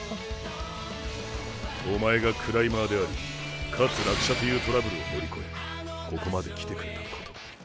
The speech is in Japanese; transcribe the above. おまえがクライマーでありかつ落車というトラブルを乗り越えここまで来てくれたこと。